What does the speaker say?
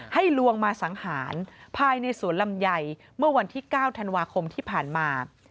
ลวงมาสังหารภายในสวนลำไยเมื่อวันที่๙ธันวาคมที่ผ่านมา